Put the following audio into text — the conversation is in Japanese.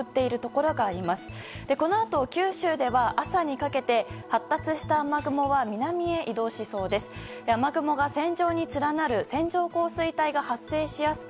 このあと九州では朝にかけて発達した雨雲は南へ移動しそうです。